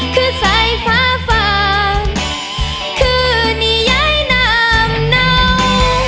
คือใส่ฟ้าฝากคือนี่ย้ายนามเนา